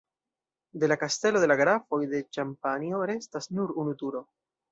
De la kastelo de la Grafoj de Ĉampanjo restas nur unu turo.